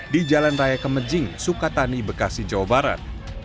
di jalan raya kemejing sukatani bekasi jawa barat